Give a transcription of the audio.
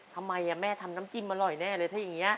ทำไมแม่ทำน้ำจิ้มอร่อยแน่เลยถ้าอย่างนี้